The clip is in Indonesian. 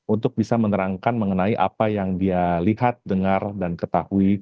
untuk bisa menerangkan mengenai apa yang dia lihat dengar dan ketahui